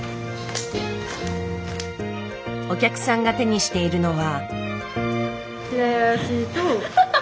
お客さんが手にしているのは。